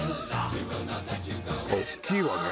「大きいわね」